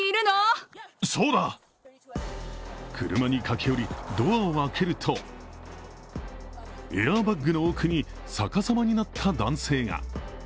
車に駆け寄り、ドアを開けるとエアバッグの奥に逆さまになった男性が。